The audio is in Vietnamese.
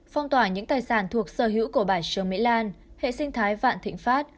phong tỏa những tài sản thuộc sở hữu của bài trường mỹ lan hệ sinh thái vạn thịnh pháp